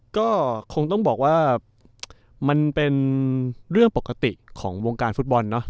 ก็คงต้องบอกว่ามันเป็นเรื่องปกติของวงการฟุตบอลเนาะ